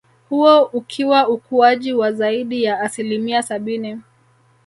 Huo ukiwa ukuaji wa zaidi ya asilimia sabini